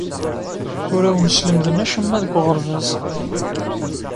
Ur awen-slemden acemma deg uɣerbaz?